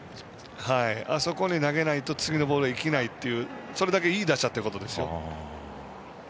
あそこに投げないと次のボールが生きないという、それだけいい打者だということです。